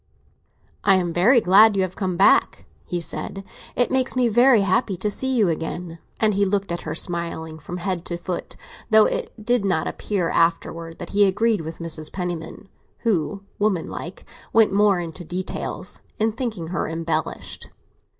"I am very glad you have come back," he said; "it makes me very happy to see you again." And he looked at her, smiling, from head to foot; though it did not appear, afterwards, that he agreed with Mrs. Penniman (who, womanlike, went more into details) in thinking her embellished.